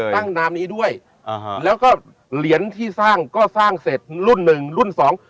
นามนี้ด้วยอ่าฮะแล้วก็เหรียญที่สร้างก็สร้างเสร็จรุ่นหนึ่งรุ่นสอง